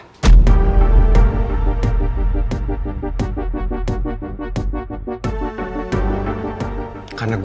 karena gue tekesin sama lo